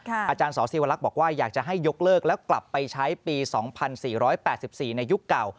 อาจารย์สศิวรักษ์บอกว่าอยากจะให้ยกเลิกแล้วกลับไปใช้ปี๒๔๘๔ในยุคเก่า